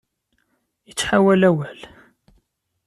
Ittḥawal awal.